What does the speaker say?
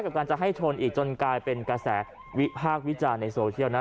กับการจะให้ชนอีกจนกลายเป็นกระแสวิพากษ์วิจารณ์ในโซเชียลนะ